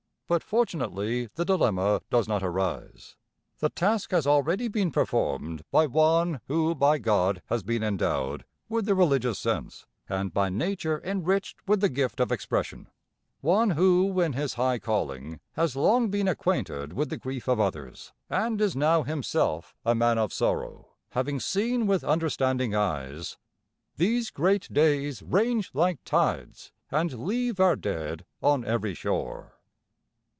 But fortunately the dilemma does not arise. The task has already been performed by one who by God has been endowed with the religious sense, and by nature enriched with the gift of expression; one who in his high calling has long been acquainted with the grief of others, and is now himself a man of sorrow, having seen with understanding eyes, These great days range like tides, And leave our dead on every shore.